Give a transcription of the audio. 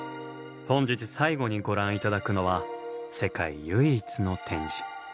本日最後にご覧頂くのは世界唯一の展示。